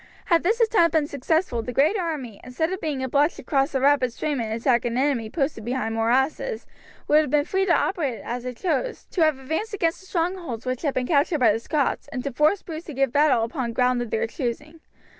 Had this attempt been successful, the great army, instead of being obliged to cross a rapid stream and attack an enemy posted behind morasses, would have been free to operate as it chose, to have advanced against the strongholds which had been captured by the Scots, and to force Bruce to give battle upon ground of their choosing.